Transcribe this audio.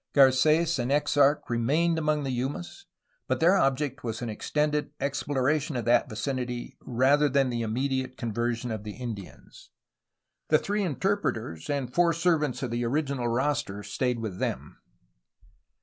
Garces and Eixarch remained among the Yumas, but their object was an extended exploration of that vicinity rather than the immediate conversion of the Indians. The three interpreters and four servants of the original roster stayed with them.